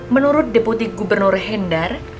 menurut deputi gubernur hendar